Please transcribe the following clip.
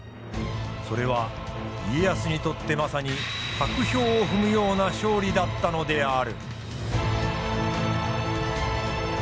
それは家康にとってまさに薄氷を踏むような勝利だったのである。